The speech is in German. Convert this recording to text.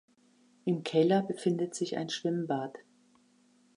Im Keller befindet sich ein Schwimmbad.